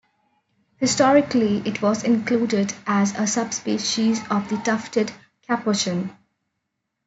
Historically, it was included as a subspecies of the tufted capuchin.